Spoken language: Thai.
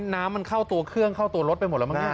น้ำมันเข้าตัวเครื่องเข้าตัวรถไปหมดแล้วมั้ง